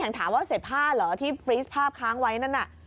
แกต้องถามว่าเสร็จผ้าหรอที่ฟรีสผ้าข้างไว้นั่นอะ